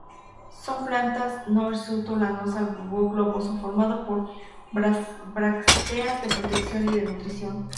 Son plantas no hirsuto-lanosa, bulbo globoso formado por brácteas de protección y de nutrición.